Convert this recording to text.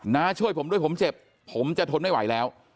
น้าช่วยผมด้วยผมเจ็บผมจะทนไม่ไหวแล้ว